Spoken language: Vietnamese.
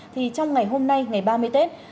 thì trong ngày hôm nay ngày ba mươi tết